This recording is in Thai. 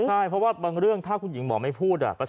ใช่เพราะว่าบางเรื่องถ้าคุณหญิงหมอไม่พูด